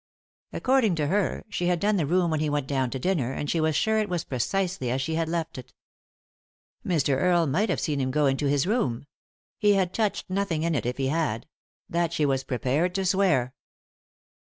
According to her, she had done the room when he went down to dinner, and she was sure it was precisely as' she had left it. Mr. Earle might have seen him go into his room ; he had touched nothing in it if he had — that she was prepared to swear.